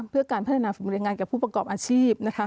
เพื่อการพัฒนาฝีแรงงานกับผู้ประกอบอาชีพนะคะ